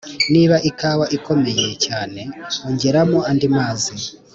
niba ikawa ikomeye cyane, ongeramo andi mazi.